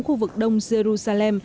khu vực đông jerusalem